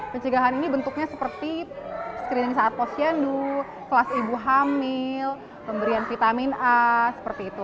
pencegahan ini bentuknya seperti screening saat posyandu kelas ibu hamil pemberian vitamin a seperti itu